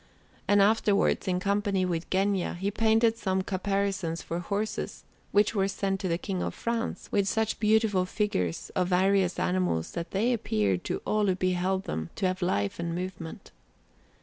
And afterwards, in company with Genga, he painted some caparisons for horses, which were sent to the King of France, with such beautiful figures of various animals that they appeared to all who beheld them to have life and movement.